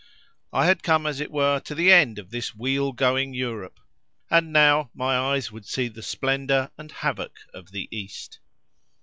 I had come, as it were, to the end of this wheel going Europe, and now my eyes would see the splendour and havoc of the East.